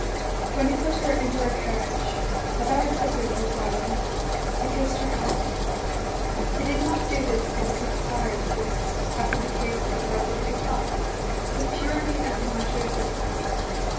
When he put her into her carriage a very pretty little brougham he kissed her hand. He did not do this because he desired to do it, as in the case of the Girl with the Guitar, but purely as a matter of business.